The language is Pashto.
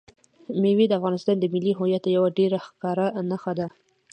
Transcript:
مېوې د افغانستان د ملي هویت یوه ډېره ښکاره نښه ده.